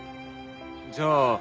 じゃあ。